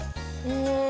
うん。